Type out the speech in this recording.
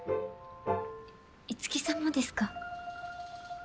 樹さんもですか？